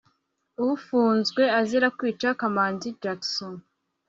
ufunzwe azira kwica kamanzi jackson